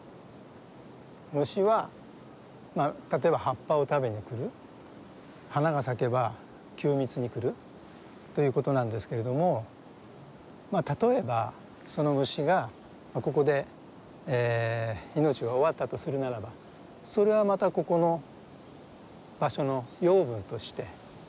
虫は例えば葉っぱを食べに来る花が咲けば吸蜜に来るということなんですけれども例えばその虫がここで命が終わったとするならばそれはまたここの場所の養分として土にかえっていくわけですよね。